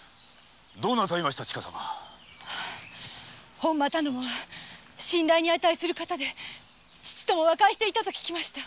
本間頼母は信頼に価する方で父とも和解していたと聞きました。